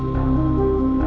tidak ada yang tahu